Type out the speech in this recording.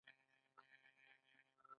دا د بې عدالتۍ شدید مصداقونه شمېرل کیږي.